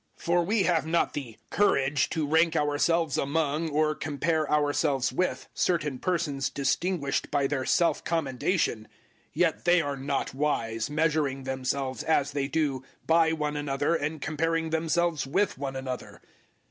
010:012 For we have not the `courage' to rank ourselves among, or compare ourselves with, certain persons distinguished by their self commendation. Yet they are not wise, measuring themselves, as they do, by one another and comparing themselves with one another.